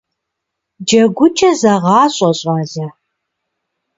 ДжэгукӀэ зэгъащӀэ, щӀалэ!